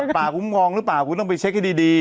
ตัดปากูมองรึเปล่าตัดปากูต้องไปเช็คให้ดี